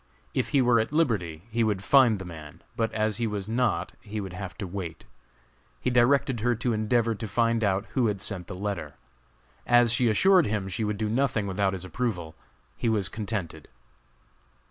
If he were at liberty he would find the man, but as he was not he would have to wait. He directed her to endeavor to find out who had sent the letter. As she assured him she would do nothing without his approval, he was contented.